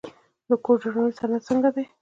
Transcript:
د کور جوړونې صنعت څنګه دی؟